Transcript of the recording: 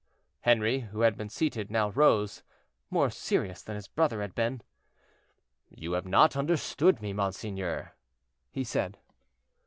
Henri, who had been seated, now rose, more serious than his brother had been. "You have not understood me, monseigneur," he said.